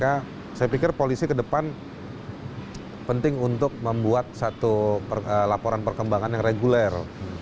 saya pikir polisi ke depan penting untuk membuat satu laporan perkembangan yang reguler